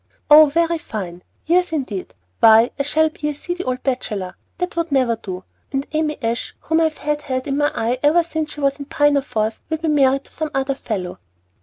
"Oh, very fine! years indeed! Why, I shall be a seedy old bachelor! That would never do! And Amy Ashe, whom I have had in my eye ever since she was in pinafores, will be married to some other fellow!"